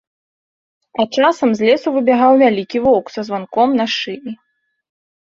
А часам з лесу выбягаў вялікі воўк са званком на шыі.